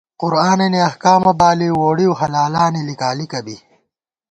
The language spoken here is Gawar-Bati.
قرآنَنی احکامہ بالِؤ ووڑِؤ حلالانی لِکالِکہ بی